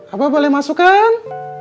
apa boleh masukkan